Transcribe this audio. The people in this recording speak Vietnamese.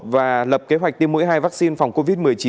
và lập kế hoạch tiêm mũi hai vaccine phòng covid một mươi chín